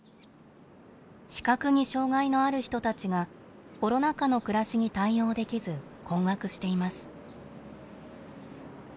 視覚に障害のある人たちがコロナ禍の暮らしに対応できず困惑しています。